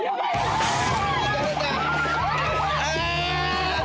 あ！